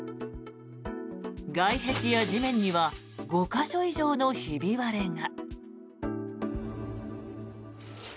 外壁は地面には５か所以上のひび割れが。